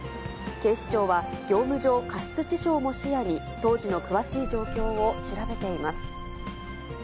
警視庁は、業務上過失致傷も視野に、当時の詳しい状況を調べています。